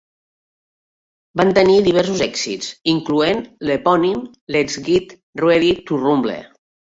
Van tenir diversos èxits, incloent l'epònim Let's Get Ready to Rhumble.